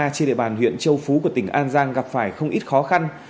trên địa bàn huyện châu phú của tỉnh an giang gặp phải không ít khó khăn